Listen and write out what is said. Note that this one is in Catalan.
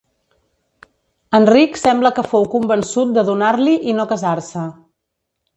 Enric sembla que fou convençut de donar-li i no casar-se.